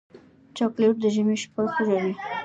چاکلېټ د ژمي شپه خوږوي.